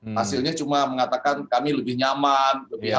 hasilnya cuma mengatakan kami lebih nyaman lebih hangat lebih bangga